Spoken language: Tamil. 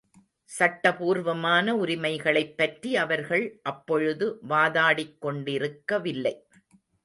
சட்டபூர்வமான உரிமைகளைப்பற்றி அவர்கள் அப்பொழுது வாதாடிக்கொண்டிருக்க வில்லை.